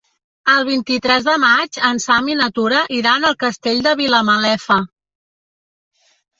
El vint-i-tres de maig en Sam i na Tura iran al Castell de Vilamalefa.